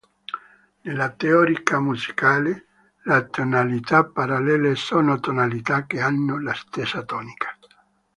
Nella teoria musicale, le tonalità parallele sono tonalità che hanno la stessa tonica.